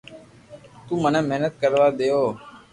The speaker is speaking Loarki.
تو مني محنت ڪروا ديو